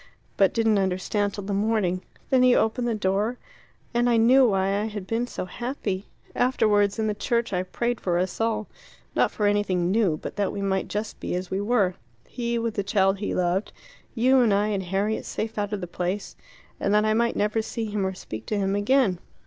But didn't understand till the morning. Then you opened the door and I knew why I had been so happy. Afterwards, in the church, I prayed for us all; not for anything new, but that we might just be as we were he with the child he loved, you and I and Harriet safe out of the place and that I might never see him or speak to him again.